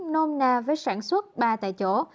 nôm na với sản xuất ba tại chỗ